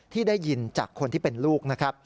ที่ได้ยินจากคนที่เป็นลูก